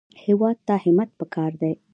هېواد ته همت پکار دی